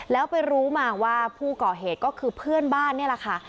แล้วไปรู้มาว่าผู้ก่อเหตุก็คือเพื่อนบ้านนี่แหละค่ะ